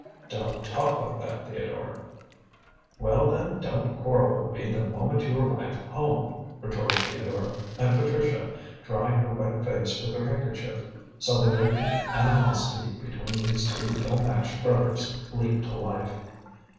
"Don't talk like that, Theodore." "Well, then, don't quarrel with me the moment you arrive home," retorted Theodore, and Patricia, drying her wet face with her handkerchief, saw the latent animosity between these two ill matched brothers leap to life.